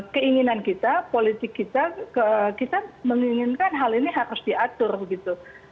keinginan kita politik kita kita menginginkan hal ini harus diatur gitu